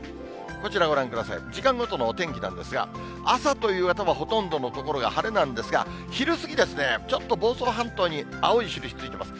こちらご覧ください、時間ごとのお天気なんですが、朝と夕方はほとんどの所が晴れなんですが、昼過ぎですね、ちょっと房総半島に青い印ついてます。